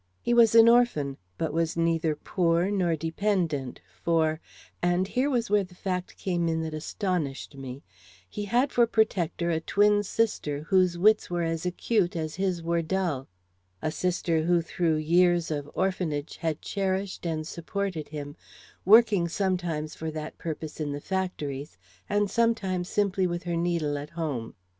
He was an orphan, but was neither poor nor dependent, for and here was where the fact came in that astonished me he had for protector a twin sister whose wits were as acute as his were dull; a sister who through years of orphanage had cherished and supported him, working sometimes for that purpose in the factories, and sometimes simply with her needle at home.